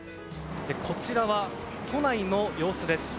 こちらは都内の様子です。